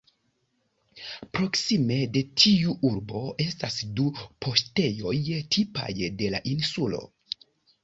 Proksime de tiu urbo estas du paŝtejoj tipaj de la insulo.